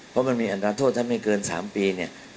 เพราะมันมีอัตราโทษถ้าไม่เกิน๓ปีเนี่ย